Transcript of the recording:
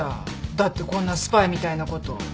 だってこんなスパイみたいなこと。